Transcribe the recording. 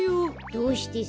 どうしてさ。